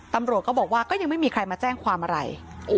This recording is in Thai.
ตำรวจก็บอกว่าก็ยังไม่มีใครมาแจ้งความอะไร